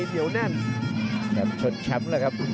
ในเดี๋ยวแน่นชนแชมป์แล้วครับ